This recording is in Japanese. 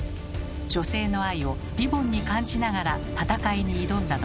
女性の愛をリボンに感じながら戦いに挑んだのです。